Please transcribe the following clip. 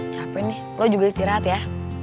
capek nih lo juga istirahat ya